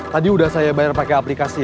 tadi udah saya bayar pake aplikasi ya